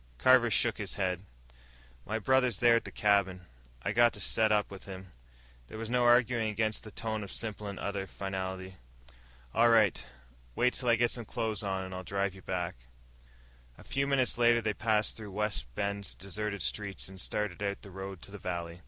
Carver shook his head. "My brother's there at the cabin. I got to set up with him." There was no arguing against that tone of simple and utter finality. "All right. Wait till I get some clothes on, and I'll drive you back." A few minutes later they passed through Wide Bend's deserted streets and started out the road to the valley.